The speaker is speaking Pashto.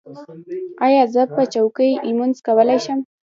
ایا زه په چوکۍ لمونځ کولی شم؟